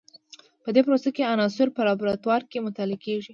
په دې پروسه کې عناصر په لابراتوار کې مطالعه کیږي.